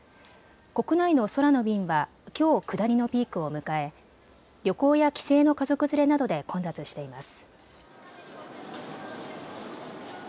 国内の空の便はきょう下りのピークを迎え旅行や帰省の家族連れなどで混雑しています。